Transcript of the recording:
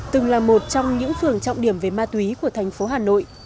từng là một trong những phường trọng điểm về ma túy của thành phố hà nội